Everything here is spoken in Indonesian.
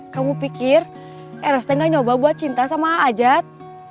kamu pikir eros tuh gak nyoba buat cinta sama a a j a t